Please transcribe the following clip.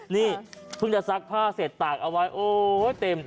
นี่เพิ่งจะซักผ้าเสร็จตากเอาไว้โอ๊ยเต็ม